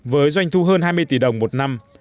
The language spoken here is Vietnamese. với doanh thu hơn hai mươi tỷ đồng một năm